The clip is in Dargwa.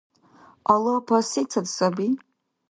Алапа сецад саби?